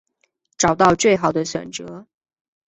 找到最好的选择